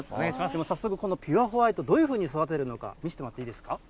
早速このピュアホワイト、どういうふうに育てるのか、見せてもらっていいですか？